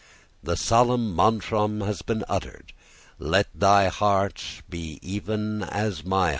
The solemn mantram has been uttered: _Let thy heart be even as my heart is.